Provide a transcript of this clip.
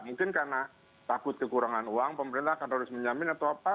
mungkin karena takut kekurangan uang pemerintah akan harus menjamin atau apa